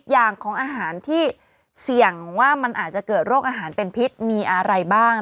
อย่างของอาหารที่เสี่ยงว่ามันอาจจะเกิดโรคอาหารเป็นพิษมีอะไรบ้าง